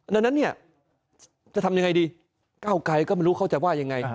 ดังนั้นเนี่ยจะทำยังไงดีก้าวไกรก็ไม่รู้เขาจะว่ายังไง